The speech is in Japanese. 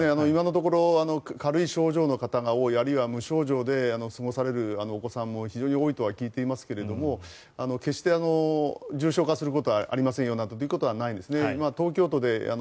今のところ軽い症状の方が多いあるいは無症状で過ごされるお子さんも非常に多いとは聞いていますが決して、重症化することはありませんよなんてことはないんですね。